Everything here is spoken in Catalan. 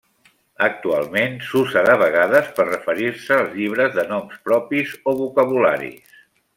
Actualment s'usa de vegades per referir-se als llibres de noms propis o vocabularis.